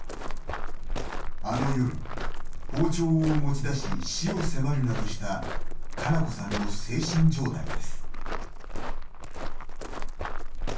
あの夜、包丁を持ち出し死を迫るなどした佳菜子さんの精神状態です。